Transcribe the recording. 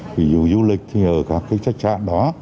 ví dụ du lịch thì ở các cái trách sạn đó